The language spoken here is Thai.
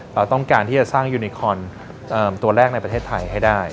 เราต้องการที่จะสร้างยูนิคอนตัวแรกในประเทศไทยให้ได้